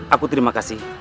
aku terima kasih